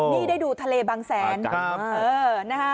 นี่ได้ดูทะเลบางแสน